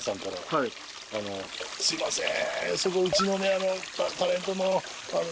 「すいません」